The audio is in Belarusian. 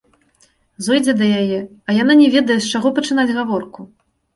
Зойдзе да яе, а яна не ведае, з чаго пачынаць гаворку.